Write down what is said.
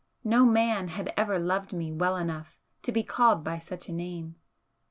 No man had ever loved me well enough to be called by such a name.